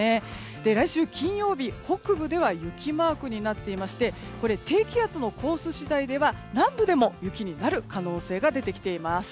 来週金曜日、北部では雪マークになっていまして低気圧のコース次第では南部でも雪になる可能性が出てきています。